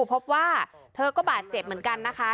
พบว่าเธอก็บาดเจ็บเหมือนกันนะคะ